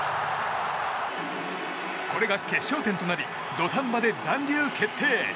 これが決勝点となり土壇場で残留決定。